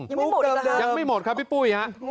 ยังไม่หมดเหรอคะมุกเดิมเดิมพี่ปุ้ยฮะยังไม่หมดครับพี่ปุ้ยฮะ